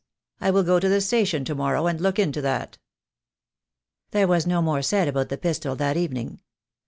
I will go to the station to morrow and look into that." There was no more said about the pistol that even ing.